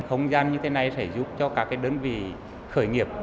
không gian như thế này sẽ giúp cho các đơn vị khởi nghiệp